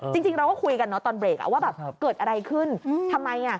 จริงเราก็คุยกันตอนเบรกว่าเกิดอะไรขึ้นทำไม